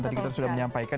tadi kita sudah menyampaikan